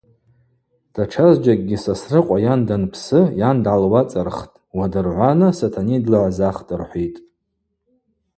Датшазджьакӏгьи Сосрыкъва йан данпсы, йан дгӏалуацӏырхтӏ, уадыргӏвана Сатаней длыгӏзахтӏ – рхӏвитӏ.